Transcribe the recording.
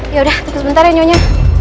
yaudah tunggu sebentar ya nyonya